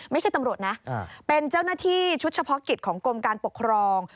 ไม่ใช่ตำรวจนะเป็นเจ้าหน้าที่ชุดเฉพาะกิจของกรมการปกครอง